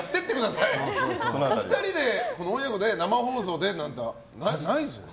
お二人で親子で生放送ってないですよね。